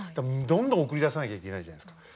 どんどん送り出さなきゃいけないじゃないですか。